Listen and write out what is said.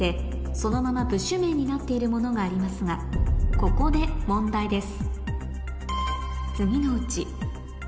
そのまま部首名になっているものがありますがここで問題です